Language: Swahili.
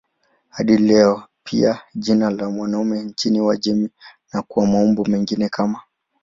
Hadi leo ni pia jina la wanaume nchini Uajemi na kwa maumbo mengine kama